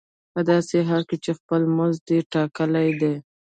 په داسې حال کې چې خپل مزد دې ټاکلی دی